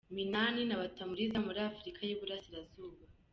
Minani na batamuriza muri Afurika y’Iburasirazuba